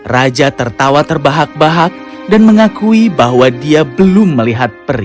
raja tertawa terbahak bahak dan mengakui bahwa dia belum melihat peri